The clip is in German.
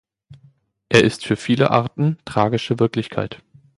Er ist für viele Arten tragische Wirklichkeit.